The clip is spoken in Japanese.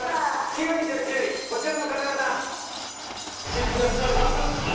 ９位と１０位こちらの方々。